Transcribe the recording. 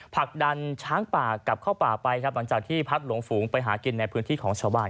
ผลักดันช้างป่ากลับเข้าป่าไปครับหลังจากที่พัดหลงฝูงไปหากินในพื้นที่ของชาวบ้าน